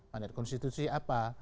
mandat konstitusi apa